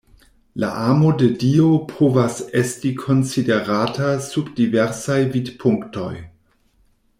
La amo de Dio povas esti konsiderata sub diversaj vidpunktoj.